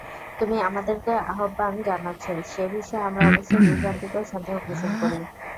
তুমি আমাদেরকে আহ্বান জানাচ্ছ, সে বিষয়ে আমরা অবশ্যই বিভ্রান্তিকর সন্দেহ পোষণ করি।